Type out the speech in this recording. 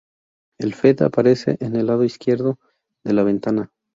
El feed aparece en el lado izquierdo de la ventana.